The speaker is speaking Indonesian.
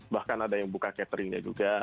bahkan ada yang buka cateringnya juga